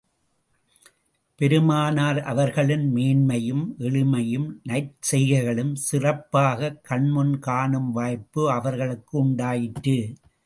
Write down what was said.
பெருமானார் அவர்களின் மேன்மையும், எளிமையும், நற்செய்கைகளும் சிறப்பாகக் கண் முன் காணும் வாய்ப்பு அவர்களுக்கு உண்டாயிற்று.